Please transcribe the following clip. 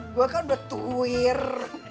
gue kan udah tuwir